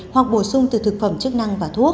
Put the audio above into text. hoặc bổ sung từ thực phẩm chức năng và thuốc